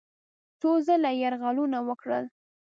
څو ځله یې یرغلونه وکړل.